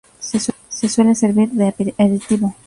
Se suele servir de aperitivo.